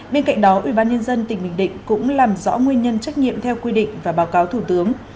bên cạnh đó ủy ban nhân dân tỉnh bình định cũng làm rõ nguyên nhân trách nhiệm theo quy định và báo cáo thủ tướng